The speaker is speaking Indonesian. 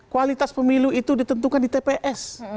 kualitas pemilu itu ditentukan di tps